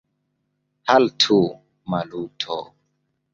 Haltu, Maluto!